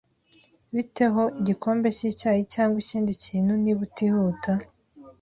Bite ho igikombe cyicyayi cyangwa ikindi kintu, niba utihuta?